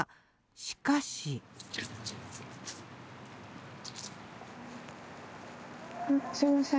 しかしすいません